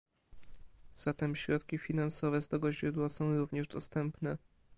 Zatem środki finansowe z tego źródła są również dostępne